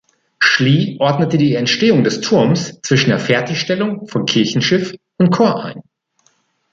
Schlie ordnete die Entstehung des Turms zwischen der Fertigstellung von Kirchenschiff und Chor ein.